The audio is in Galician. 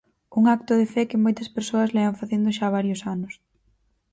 Un acto de fe que moitas persoas levan facendo xa varios anos.